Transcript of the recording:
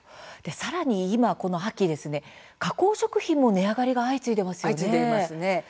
さらにこの秋加工食品も値上がりが相次いでいますよね。